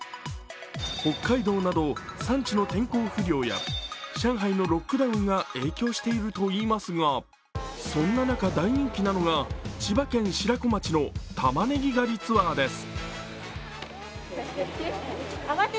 北海道など産地の天候不良や上海のロックダウンが影響しているといいますがそんな中、大人気なのが千葉県白子町の玉ねぎ狩りツアーです。